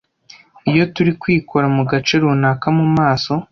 Iyo turi kwikora mu gace runaka mu maso